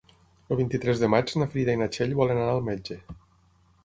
El vint-i-tres de maig na Frida i na Txell volen anar al metge.